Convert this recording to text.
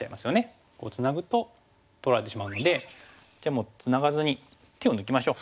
こうツナぐと取られてしまうのでじゃあもうツナがずに手を抜きましょう。